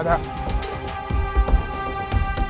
ada tempat buat ngobrol enak